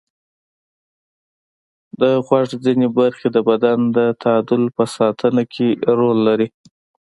د غوږ ځینې برخې د بدن د تعادل په ساتنه کې رول لري.